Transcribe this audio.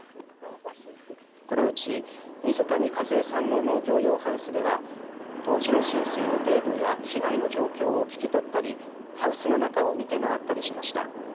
このうち水谷一江さんの農業用ハウスでは当時の浸水の程度や被害の状況を聞き取ったりハウスの中を見て回ったりしました。